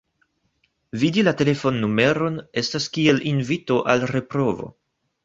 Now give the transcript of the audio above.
Vidi la telefonnumeron estas kiel invito al reprovo.